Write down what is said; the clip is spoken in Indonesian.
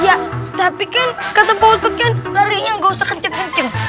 ya tapi kan kata pak utut kan larinya nggak usah kenceng kenceng